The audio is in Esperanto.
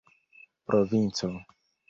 provinco